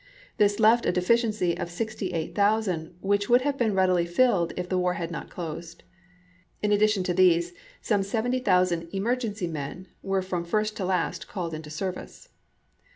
This left a deficiency of sixty eight thousand, which would have been readily filled if the war had not closed. In addition to these some seventy thousand " emergency men " were from first to last called into service.